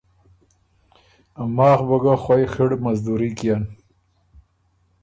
ماخ بُو ګۀ خوئ خِړ مزدوري کيېن